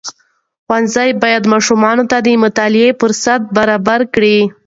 ښوونځي باید ماشومانو ته د مطالعې فرصت برابر کړي.